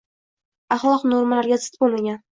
axloq normalariga zid bo‘lmagan